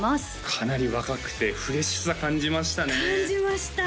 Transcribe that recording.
かなり若くてフレッシュさ感じましたね感じました